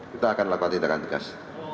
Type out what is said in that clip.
kita akan lakukan dengan jelas